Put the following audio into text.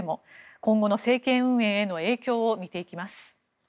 今後の政権運営への影響を見ていきます。